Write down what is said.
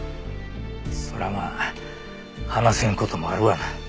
それはまあ話せん事もあるわな。